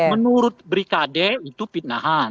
menurut brikade itu pindahan